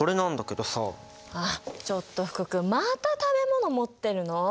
あっちょっと福君また食べ物持ってるの！？